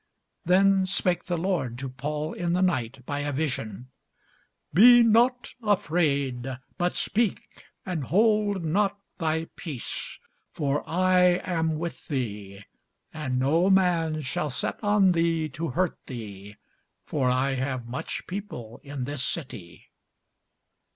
Then spake the Lord to Paul in the night by a vision, Be not afraid, but speak, and hold not thy peace: for I am with thee, and no man shall set on thee to hurt thee: for I have much people in this city.